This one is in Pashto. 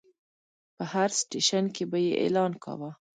په هر سټیشن کې به یې اعلان کاوه.